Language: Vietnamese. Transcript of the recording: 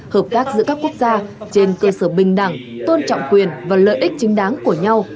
hợp tác giữa các quốc gia trên cơ sở bình đẳng tôn trọng quyền và lợi ích chính đáng của nhau